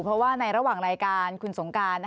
เพราะว่าในระหว่างรายการคุณสงการ